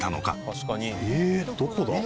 えどこだ？